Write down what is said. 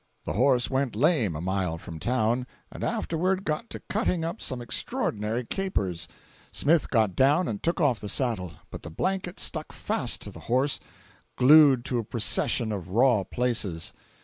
The horse went lame a mile from town, and afterward got to cutting up some extraordinary capers. Smith got down and took off the saddle, but the blanket stuck fast to the horse—glued to a procession of raw places.